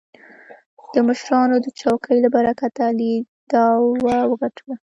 د مشرانو د چوکې له برکته علي دعوه وګټله.